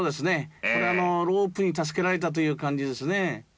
これ、ロープに助けられたという感じですね。